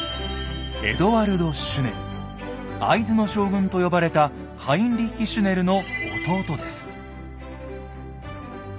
会津の将軍と呼ばれたハインリッヒ・シュネルの弟です。